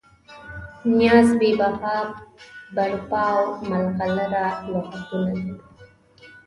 نیاز، بې بها، برپا او ملغلره لغتونه دي.